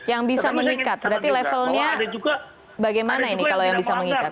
yang bisa mengikat berarti levelnya bagaimana ini kalau yang bisa mengikat